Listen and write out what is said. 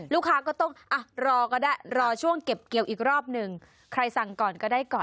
ลูกค้าก็ต้องอ่ะรอก็ได้รอช่วงเก็บเกี่ยวอีกรอบหนึ่งใครสั่งก่อนก็ได้ก่อน